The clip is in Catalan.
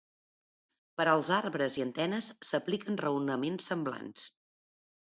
Per als arbres i antenes s'apliquen raonaments semblants.